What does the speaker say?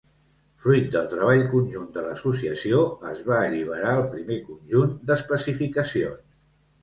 Fruit del treball conjunt de l'associació, es va alliberar el primer conjunt d'especificacions.